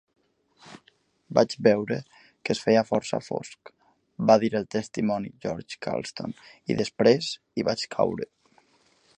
"Vaig veure que es feia força fosc", va dir el testimoni George Carlson, "i després hi vaig caure.